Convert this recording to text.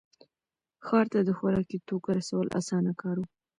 ښار ته د خوراکي توکو رسول اسانه کار و.